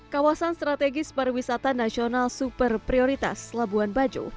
kawasan strategis pariwisata nasional super prioritas labuan bajo